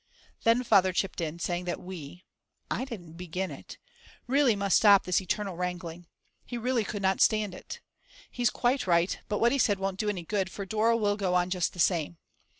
Then Father chipped in, saying that we (I didn't begin it) really must stop this eternal wrangling; he really could not stand it. He's quite right, but what he said won't do any good, for Dora will go on just the same.